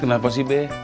kenapa sih be